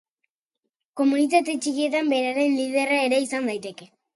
Komunitate txikietan beraren liderra ere izan daiteke.